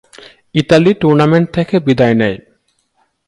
Italy tournament থেকে বিদায় নেয়।